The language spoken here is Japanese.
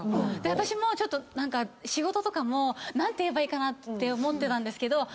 私も仕事とかも何て言えばいいかなって思ってたんですけど。